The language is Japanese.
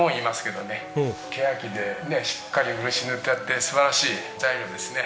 ケヤキでねしっかり漆塗ってあって素晴らしい材料ですね。